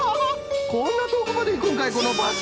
こんなとおくまでいくんかいこのバスは。